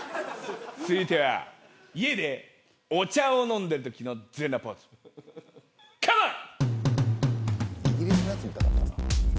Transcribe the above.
続いては家でお茶を飲んでいるときの全裸ポーズ、カモン。